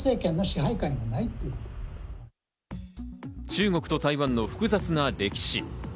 中国と台湾の複雑な歴史。